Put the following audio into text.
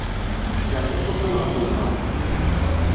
Tsers aṭufan ɣef umeṭreḥ.